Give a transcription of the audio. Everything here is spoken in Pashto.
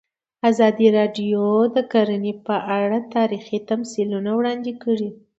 ازادي راډیو د کرهنه په اړه تاریخي تمثیلونه وړاندې کړي.